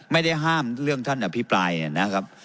ไม่ได้ห้ามเรื่องท่านอภิปรายนะครับ